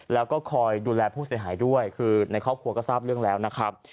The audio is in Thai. แล้วก็คอยดูแลผู้เสียหายด้วยคือในครอบครัวก็ทราบเรื่องแล้วนะครับ